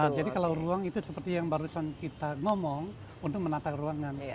jadi kalau ruang itu seperti yang barusan kita ngomong untuk menata ruangan